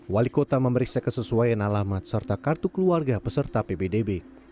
wali kota memeriksa kesesuaian alamat serta kartu keluarga peserta ppdb